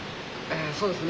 えそうですね